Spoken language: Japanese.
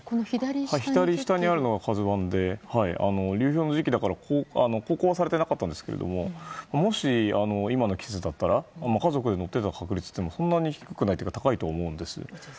左下にあるのが「ＫＡＺＵ１」で流氷の時期だから航行はされてなかったんですけどもし今の季節だったら、家族で乗っていた確率はそんなに低くないというか高いと思うんです。